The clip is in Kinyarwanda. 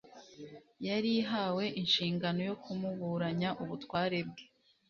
yari ihawe inshingano yo kumuburanya ubutware bwe.